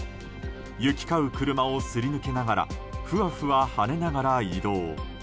行き交う車をすり抜けながらふわふわ跳ねながら移動。